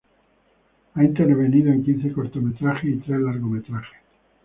Ha intervenido en quince cortometrajes y tres largometrajes.